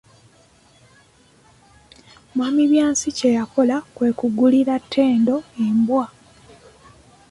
Mwami Byansi kye yakola kwe kugulira Ttendo embwa.